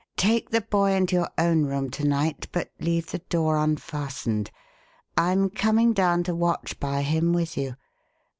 Take the boy into your own room to night, but leave the door unfastened. I'm coming down to watch by him with you.